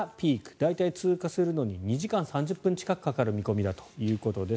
大体、通過するのに２時間３０分近くかかる見込みだということです。